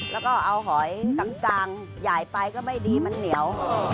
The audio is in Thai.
แล้วก็เอาหอยกลางใหญ่ไปก็ไม่ดีมันเหนียว